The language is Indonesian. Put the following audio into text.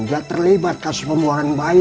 dia terlibat kasih pembuangan bayi